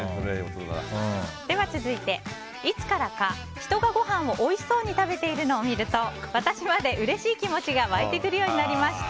続いて、いつからか人がごはんをおいしそうに食べているのを見ると私までうれしい気持ちが湧いてくるようになりました。